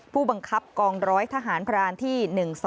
ผู้บังคับกองร้อยทหารพรานที่๑๒